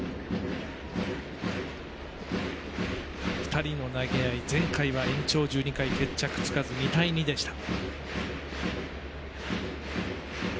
２人の投げ合い前回のゲーム延長決着つかず、２対２でした。